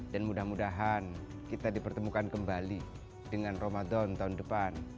dan mudah mudahan kita dipertemukan kembali dengan ramadan tahun depan